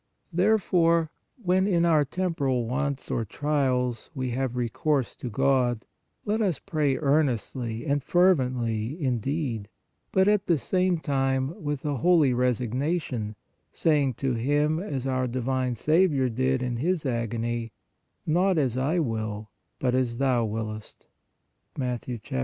Therefore, when in our temporal wants or trials we have recourse to God, let us pray earnestly and fervently, indeed, but, at the same time, with a holy resignation, saying to Him as our divine Saviour did in His agony, " not as I will, but as Thou wiliest " (Mat.